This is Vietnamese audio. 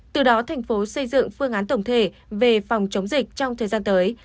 từ đó thành phố xây dựng phương án tổng thể về phòng chống dịch trong thời gian tới